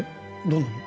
どんなの？